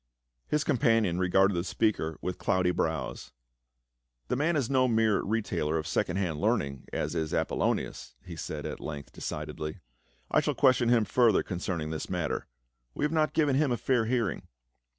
His companion regarded the speaker with cloudy brows. "The man is no mere retailer of second hand learning, as is Apolonias," he said at length decidedly. " I shall question him further concerning this matter ; we have not given him a fair hearing."